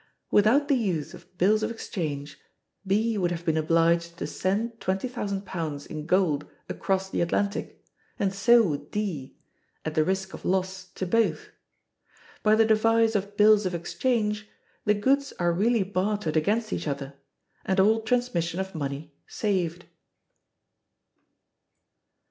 Without the use of bills of exchange, B would have been obliged to send £20,000 in gold across the Atlantic, and so would D, at the risk of loss to both. By the device of bills of exchange the goods are really bartered against each other, and all transmission of money saved.